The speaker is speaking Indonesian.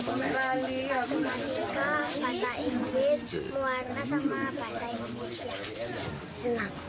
matematika bahasa inggris